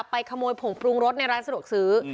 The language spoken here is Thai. ขโมยผงปรุงรสในร้านสะดวกซื้อ